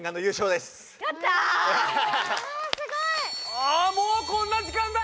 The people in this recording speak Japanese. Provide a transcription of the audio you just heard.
あもうこんな時間だ！